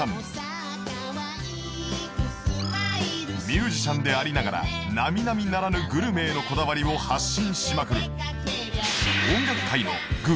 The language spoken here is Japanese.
ミュージシャンでありながら並々ならぬグルメへのこだわりを発信しまくる